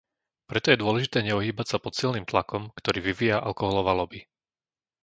Preto je dôležité neohýbať sa pod silným tlakom, ktorý vyvíja alkoholová loby.